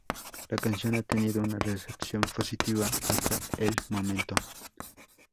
La canción ha tenido una recepción positiva hasta el momento.